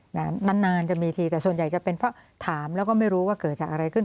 นานนานจะมีทีแต่ส่วนใหญ่จะเป็นเพราะถามแล้วก็ไม่รู้ว่าเกิดจากอะไรขึ้น